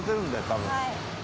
多分。